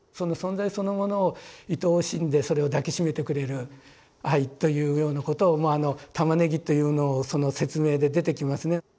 存在そのものをいとおしんでそれを抱きしめてくれる愛というようなことを玉ねぎというのをその説明で出てきますね。